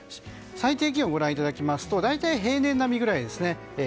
最低気温をご覧いただきますと大体平年並みくらいですね。